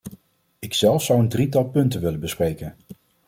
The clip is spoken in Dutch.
Ikzelf zou een drietal punten willen bespreken.